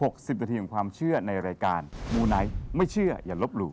สิบนาทีของความเชื่อในรายการมูไนท์ไม่เชื่ออย่าลบหลู่